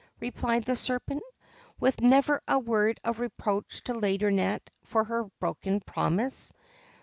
replied the Serpent, with never a word of reproach to Laideronnette for her broken promise.